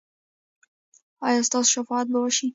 ایا ستاسو شفاعت به وشي؟